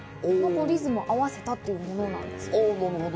体操のリズムを合わせたというものなんです。